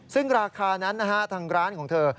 ซึ่งราคานั้นทั้งร้านของเธอ